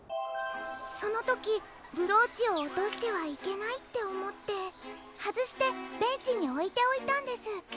そのときブローチをおとしてはいけないっておもってはずしてベンチにおいておいたんです。